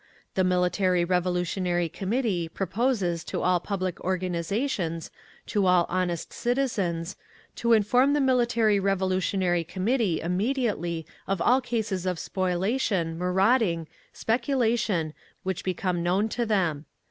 The Military Revolutionary Committee proposes to all public organisations, to all honest citizens: to inform the Military Revolutionary Committee immediately of all cases of spoliation, marauding, speculation, which become known to them.